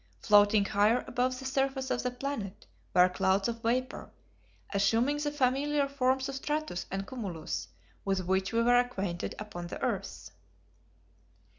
Floating higher above the surface of the planet were clouds of vapor, assuming the familiar forms of stratus and cumulus with which we were acquainted upon the earth.